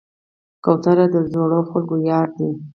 کوتره د زړو خلکو یار ده.